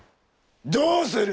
どうする？